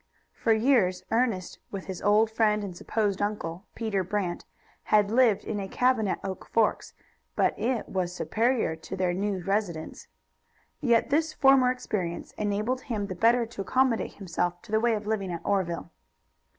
For years Ernest, with his old friend and supposed uncle, Peter Brant, had lived in a cabin at Oak Forks, but it was superior to their new residence. Yet his former experience enabled him the better to accommodate himself to the way of living at Oreville.